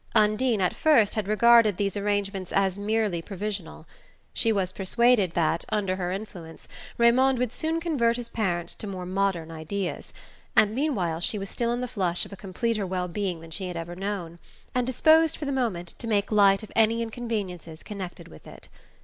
Undine, at first, had regarded these arrangements as merely provisional. She was persuaded that, under her influence, Raymond would soon convert his parents to more modern ideas, and meanwhile she was still in the flush of a completer well being than she had ever known, and disposed, for the moment, to make light of any inconveniences connected with it.